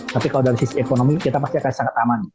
tapi kalau dari sisi ekonomi kita pasti akan sangat aman